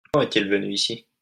Quand est-il venu ici ?